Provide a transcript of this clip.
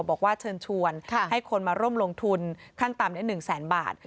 บอกว่าเชิญชวนให้คนมาร่วมลงทุนขั้นต่ำได้๑แสนบาท